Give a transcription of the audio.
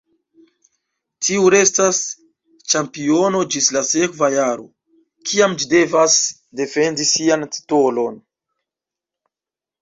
Tiu restas ĉampiono ĝis la sekva jaro, kiam ĝi devas defendi sian titolon.